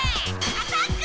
アタック！